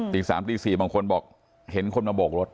ติดสามตีสี่บางคนบอกเห็นคนมาโบกรถ